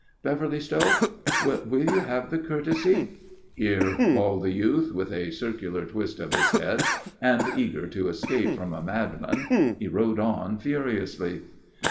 "Beverly Stoke? Will you have the courtesy " "Here," bawled the youth, with a circular twist of his head, and, eager to escape from a madman, he rode on furiously.